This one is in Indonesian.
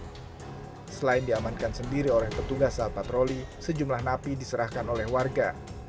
tidak ada yang bisa diangkat sendiri oleh petugas saat patroli sejumlah napi diserahkan oleh warga